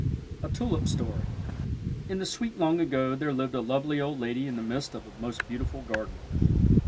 A TULIP STORY In the sweet long ago, there lived a lovely old lady in the midst of a most beautiful gar den.